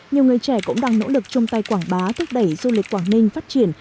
nhiều người trẻ cũng đang nỗ lực chung tay quảng bá thúc đẩy du lịch quảng ninh phát triển